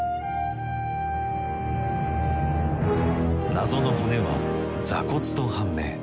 謎の骨は座骨と判明。